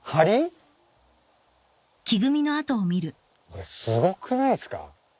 これすごくないっすか？